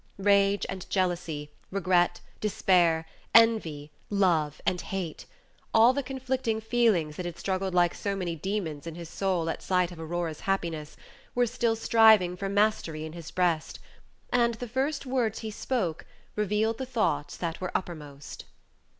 Rage and jealousy, regret, despair, envy, love, and hate all the conflicting feelings that had struggled like so many demons in his soul at sight of Aurora's happiness, were still striving for mastery in his breast, and the first words he spoke revealed the thoughts that were uppermost.